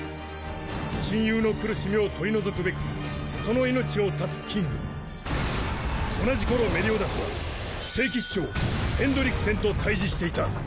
親友の苦しみを取り除くべくその命を絶つキング同じころメリオダスは聖騎士長ヘンドリクセンと対峙していた